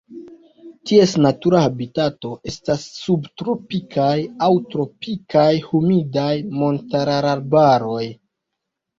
Ties natura habitato estas subtropikaj aŭ tropikaj humidaj montararbaroj.